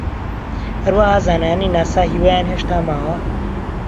هەروەها زانایانی ناسا هیوایان هێشتا ماوە